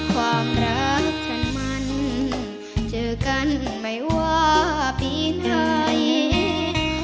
ความรักฉันมันเจอกันไม่ว่าปีไหน